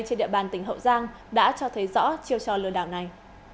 trên địa bàn tỉnh hậu giang đã cho thấy rõ chiêu trò lừa đảo này